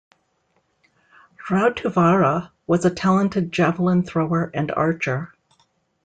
Rautavaara was a talented javelin thrower and archer.